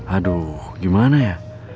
aduh gimana ya